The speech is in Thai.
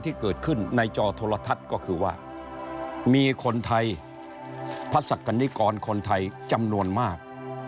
ที่เกิดขึ้นในจอโทรทัศน์ก็คือว่ามีคนไทยพระศักดิกรคนไทยจำนวนมาก